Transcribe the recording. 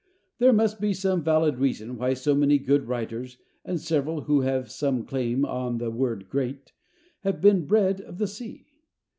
There must be some valid reason why so many good writers, and several who have some claim on the word "great," have been bred of the sea.